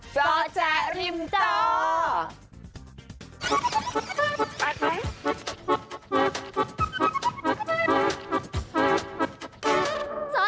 เจ้าแจ๊กริมจอ